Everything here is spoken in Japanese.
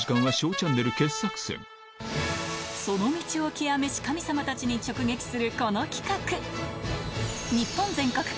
その道を究めし神様たちに直撃するこの企画